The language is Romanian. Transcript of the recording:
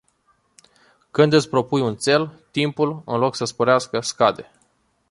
Când îți propui un țel, timpul, în loc să sporească, scade.